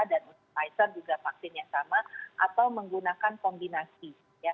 dan pfizer juga vaksin yang sama atau menggunakan kombinasi